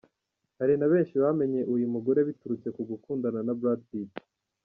Hari na benshi bamenye uyu mugore biturutse ku gukundana na Brad Pitt.